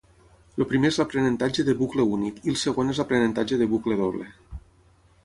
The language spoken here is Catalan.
El primer és l'aprenentatge de bucle únic i el segon és l'aprenentatge de bucle doble.